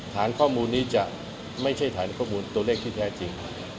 ฐานข้อมูลนี้จะไม่ใช่ฐานข้อมูลตัวเลขที่แท้จริง